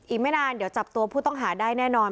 อีกไม่นานเดี๋ยวจับตัวผู้ต้องหาได้แน่นอน